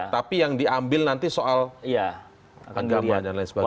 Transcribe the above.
tapi yang diambil nanti soal agama dan lain sebagainya